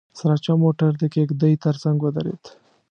سراچه موټر د کېږدۍ تر څنګ ودرېد.